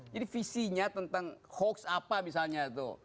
jadi visinya tentang hoax apa misalnya itu